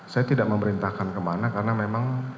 saya tidak memerintahkan kemana karena memang